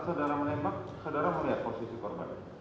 saudara berhadapan apa